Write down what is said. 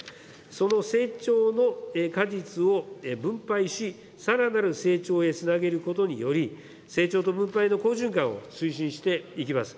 その成長の果実を分配し、さらなる成長へつなげることにより、成長と分配の好循環を推進していきます。